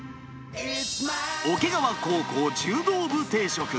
桶川高校柔道部定食。